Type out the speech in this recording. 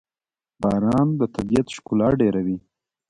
باران د طبیعت ښکلا ډېروي.